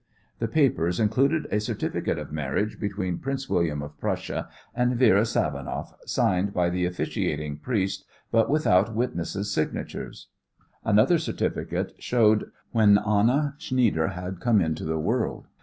The papers included a certificate of marriage between Prince William of Prussia and Vera Savanoff, signed by the officiating priest, but without witnesses' signatures. Another certificate showed when Anna Schnieder had come into the world.